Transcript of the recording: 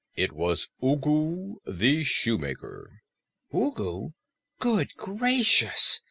It was Ugu the Shoemaker." "Ugu? Good gracious!